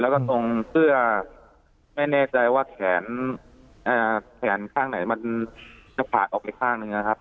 แล้วก็ตรงเสื้อไม่แน่ใจว่าแขนข้างไหนมันจะผ่านออกไปข้างหนึ่งนะครับ